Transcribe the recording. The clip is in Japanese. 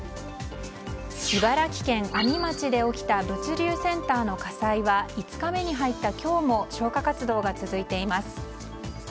茨城県阿見町で起きた物流センターの火災は５日目に入った今日も消火活動が続いています。